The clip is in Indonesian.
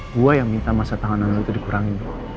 gue yang minta masa tangan lo itu dikurangi